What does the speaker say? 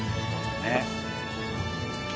ねっ。